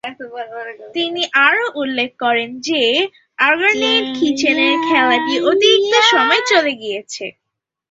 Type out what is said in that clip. তিনি আরও উল্লেখ করেন যে, আর্গোনাট-কিচনারের খেলাটি অতিরিক্ত সময়ে চলে গিয়েছিল।